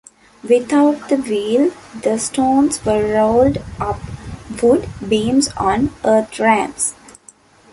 Without the wheel the stones were rolled up wood beams on earth ramps.